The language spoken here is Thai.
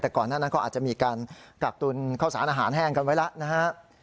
แต่ก่อนหน้านั้นก็อาจจะมีการกักตุนข้าวสารอาหารแห้งกันไว้แล้วนะฮะ